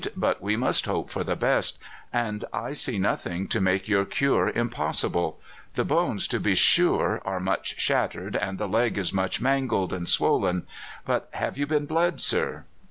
"But we must hope for the best, and I see nothing to make your cure impossible. The bones, to be sure, are much shattered, and the leg is much mangled and swollen; but have you been bled, sir?"